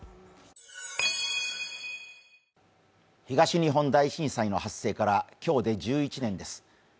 東日本大震災の発生から今日で１１年です。